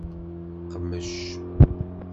Qmec.